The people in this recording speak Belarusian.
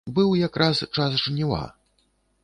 Быў якраз час жніва.